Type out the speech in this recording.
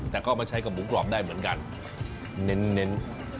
แต่ก็มาใช้กับหมูกรอบได้เหมือนกันเน้น